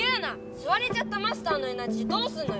すわれちゃったマスターのエナジーどうすんのよ！